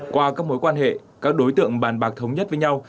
qua các mối quan hệ các đối tượng bàn bạc thống nhất với nhau